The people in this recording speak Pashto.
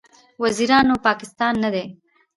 وزیرستان، پاکستان نه دی.